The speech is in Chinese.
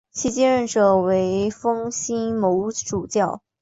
其继任者为封新卯主教。